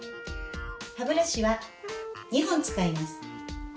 歯ブラシは２本使います。